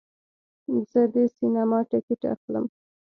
زه د سینما ټکټ اخلم.